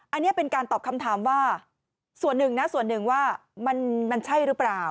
อันนี้เป็นการตอบคำถามว่าส่วนหนึ่งนะส่วนหนึ่งว่ามันใช่หรือเปล่า